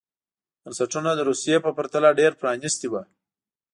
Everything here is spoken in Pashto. بنسټونه د روسیې په پرتله ډېر پرانېستي وو.